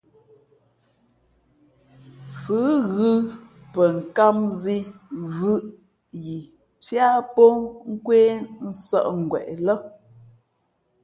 Fʉ ghʉ pαkām zī vʉ̄ʼʉ yi piá pō nkwé nsᾱʼ ngweʼ lά.